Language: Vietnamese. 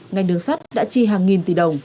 ngành đường sắt đã chi hàng nghìn tỷ đồng